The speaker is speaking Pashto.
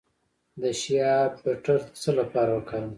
د شیا بټر د څه لپاره وکاروم؟